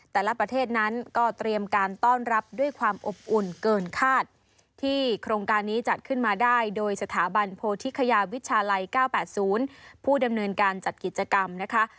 แต่ละประเทศนั้นก็เตรียมการต้อนรับด้วยความอบอุ่นเกินคาดที่โครงการนี้จัดขึ้นมาได้โดยสถาบันโพธิคยาวิชาลัย๙๘๐ผู้ดำเนินการจัดกิจกรรมนะคะ